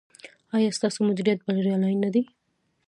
ایا ستاسو مدیریت بریالی نه دی؟